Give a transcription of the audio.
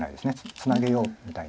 ツナげようみたいな。